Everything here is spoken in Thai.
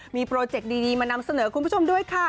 มีโปรเจคดีมานำเสนอคุณผู้ชมด้วยค่ะ